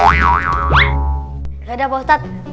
gak ada pak ustadz